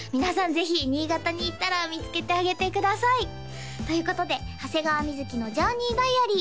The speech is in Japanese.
ぜひ新潟に行ったら見つけてあげてくださいということで長谷川瑞のＪｏｕｒｎｅｙＤｉａｒｙ